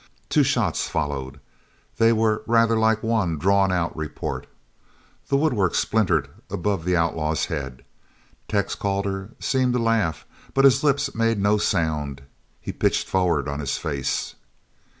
Two shots followed they were rather like one drawn out report. The woodwork splintered above the outlaw's head; Tex Calder seemed to laugh, but his lips made no sound. He pitched forward on his face.